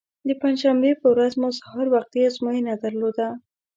د پنجشنبې په ورځ مو سهار وختي ازموینه درلوده.